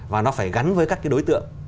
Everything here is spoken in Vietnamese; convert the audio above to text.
và nó phải gắn với các đối tượng